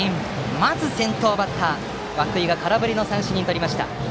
まず先頭バッターを涌井が空振りの三振にとりました。